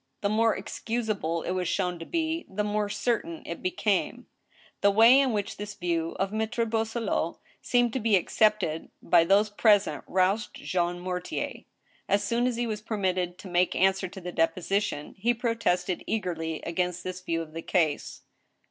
The more ex cusable it was shown to be, the more certain it became. The way in which this view of Mattre Boisselot's seemed to be accepted by those present roused Jean Mortier. As soon as he was permitted to make answer to the deposition, he protested eagerly against this view of the case.